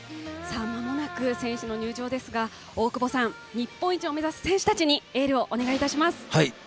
間もなく選手の入場ですが大久保さん、日本一を目指す選手たちにエールをお願いします。